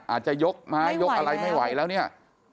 อาจจะยกไม้ยกอะไรไม่ไหวแล้วเนี่ย